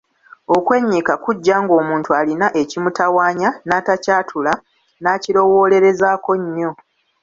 Okwennyika kujja ng’omuntu alina ekimutawaanya n’atakyatula n’akirowoolerezaako nnyo.